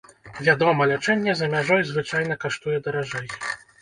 Вядома, лячэнне за мяжой звычайна каштуе даражэй.